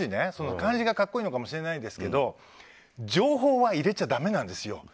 漢字が格好いいのかもしれないですけど情報は入れちゃだめなんですよ。